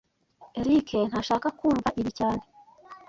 Eric ntashaka kumva ibi cyane